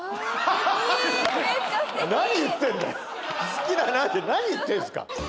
「好きだな」って何言ってるんですか。